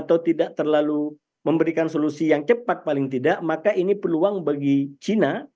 atau tidak terlalu memberikan solusi yang cepat paling tidak maka ini peluang bagi cina